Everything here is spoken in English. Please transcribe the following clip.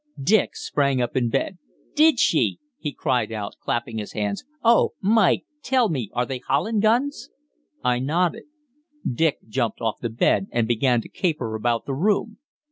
Dick sprang up in the bed. "Did she?" he cried out, clapping his hands. "Oh Mike, tell me, are they Holland guns?" I nodded. Dick jumped off the bed and began to caper about the room.